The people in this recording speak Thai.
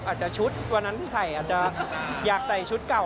อาจจะชุดวันนั้นที่ใส่อาจจะอยากใส่ชุดเก่า